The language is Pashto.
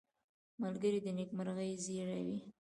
ملګری د نېکمرغۍ زېری وي